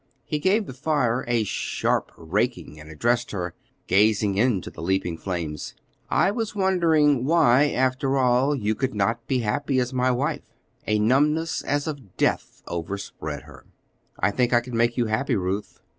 He gave the fire a sharp raking and addressed her, gazing into the leaping flames. "I was wondering why, after all, you could not be happy as my wife." A numbness as of death overspread her. "I think I could make you happy, Ruth."